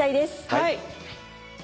はい！